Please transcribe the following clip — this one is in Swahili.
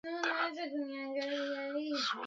inatoa misaada nchini haiti inayotambulika